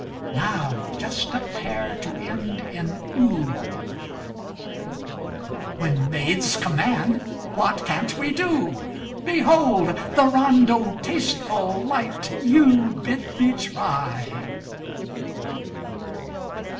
Now just a pair to end in "oo" When maids command, what can't we do? Behold! the rondeau, tasteful, light, You bid me try!